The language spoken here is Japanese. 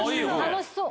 楽しそう。